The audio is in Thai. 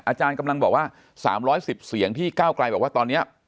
อาจารย์กำลังบอกว่าสามร้อยสิบเสียงที่เกล้าไกลเพราะว่าตอนเนี้ย